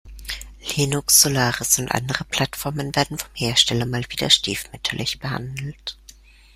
Linux, Solaris und andere Plattformen werden vom Hersteller mal wieder stiefmütterlich behandelt.